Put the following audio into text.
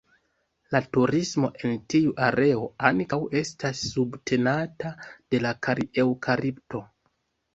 La turismo en tiu areo ankaŭ estas subtenata de la kari-eŭkalipto.